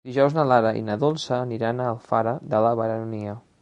Dijous na Lara i na Dolça aniran a Alfara de la Baronia.